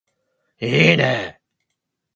いーね